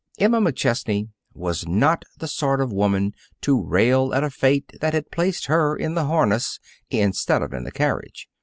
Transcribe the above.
Emma McChesney was not the sort of woman to rail at a fate that had placed her in the harness instead of in the carriage.